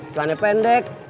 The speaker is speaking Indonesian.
pelan yang pendek